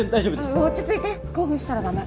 うん落ち着いて興奮したらだめ。